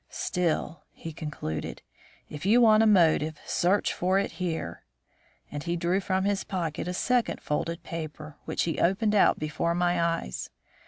Still," he concluded, "if you want a motive, search for it here," and he drew from his pocket a second folded paper, which he opened out before my eyes.